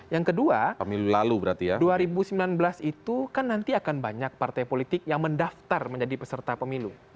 yang kedua dua ribu sembilan belas itu kan nanti akan banyak partai politik yang mendaftar menjadi peserta pemilu